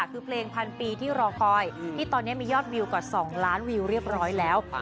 คือเพลงพันปีที่รอคอยที่ตอนนี้มียอดวิวกว่า๒ล้านวิวเรียบร้อยแล้ว